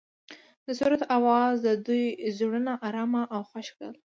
د سرود اواز د دوی زړونه ارامه او خوښ کړل.